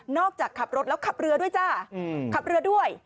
จากขับรถแล้วขับเรือด้วยจ้าขับเรือด้วย